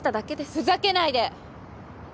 ふざけないで。